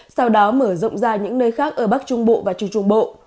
sau đó mở rộng ra những nơi khác ở bắc trung bộ và trung trung bộ